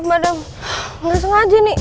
temen tuh yang mengerti